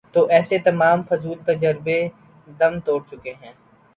تو ایسے تمام فضول کے تجزیے دم توڑ چکے ہیں۔